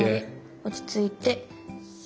落ち着いて。